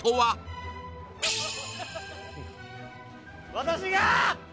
私が！